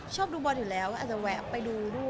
ชอบดูบอลอยู่แล้วก็อาจจะแวะไปดูด้วย